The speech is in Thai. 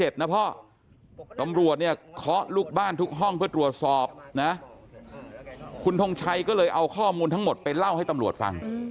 ตำรวจเคาะลูกบ้านทุกห้องเพื่อตรวจสอบคุณทงชัยก็เลยเอาข้อมูลทั้งหมดไปเล่าให้ตำรวจฟัง